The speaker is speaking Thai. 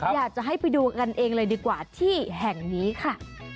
อยากจะให้ไปดูกันเองเลยดีกว่าที่แห่งนี้ค่ะ